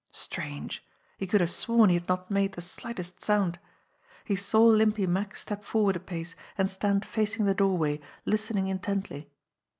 Strange ! He could have sworn he had not made the slightest sound. He saw Limpy Mack step forward a pace and stand facing the doorway, listening in tently.